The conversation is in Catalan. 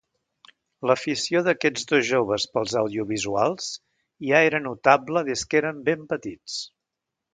L'afició d'aquests dos joves pels audiovisuals ja era notable des que eren ben petits.